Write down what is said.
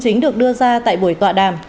chính được đưa ra tại buổi tọa đàm